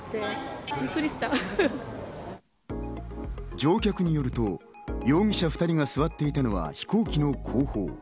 乗客によると、容疑者２人が座っていたのは飛行機の後方。